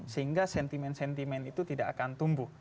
sehingga sentimen sentimen itu tidak akan tumbuh